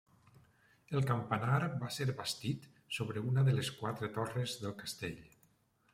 El campanar va ser bastit sobre una de les quatre torres del castell.